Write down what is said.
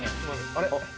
あれ？